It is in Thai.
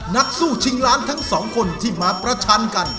นักสู้ชิงล้านทั้งสองคนที่มาประชันกัน